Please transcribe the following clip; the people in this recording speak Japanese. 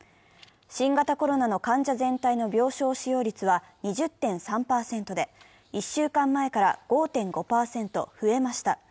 新型コロナの患者全体の病床使用率は２０．３％で、１週間前から５．５％増えました。